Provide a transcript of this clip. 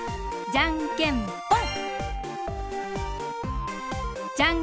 じゃんけんぽん！